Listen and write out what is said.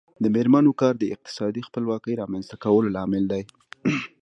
د میرمنو کار د اقتصادي خپلواکۍ رامنځته کولو لامل دی.